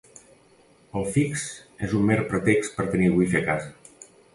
El fix és un mer pretext per tenir wifi a casa.